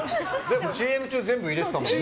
ＣＭ中、全部入れてたもんね。